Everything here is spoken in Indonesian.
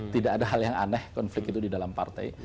tidak ada hal yang aneh konflik itu di dalam partai